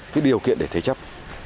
cái điều kiện để thế chấp